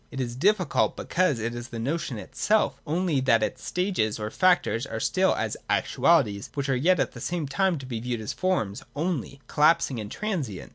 It is difficult because it is the notion itself, only that its stages or factors are still as actualities, which are yet at the same time to be viewed as forms only, collapsing and transient.